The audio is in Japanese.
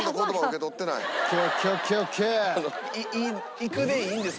いくでいいんですか？